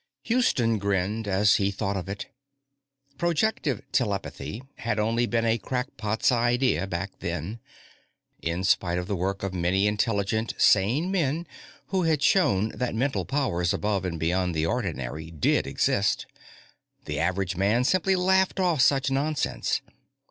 Houston grinned as he thought of it. Projective telepathy had only been a crackpot's idea back then. In spite of the work of many intelligent, sane men, who had shown that mental powers above and beyond the ordinary did exist, the average man simply laughed off such nonsense.